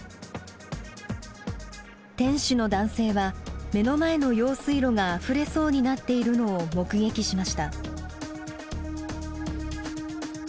店主の男性は目の前の用水路があふれそうになっているのを目撃しました。